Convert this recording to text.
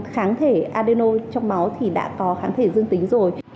kháng thể adeno trong máu thì đã có kháng thể dương tính rồi